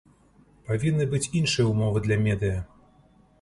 Павінны быць іншыя ўмовы для медыя.